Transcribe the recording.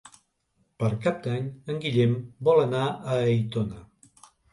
Per Cap d'Any en Guillem vol anar a Aitona.